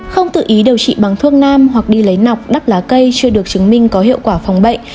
không tự ý điều trị bằng thuốc nam hoặc đi lấy nọc đắp lá cây chưa được chứng minh có hiệu quả phòng bệnh